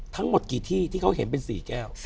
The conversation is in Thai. ทั้งหมดกี่ที่ที่เขาเห็นเป็น๔แก้ว